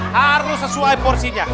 harus sesuai porsinya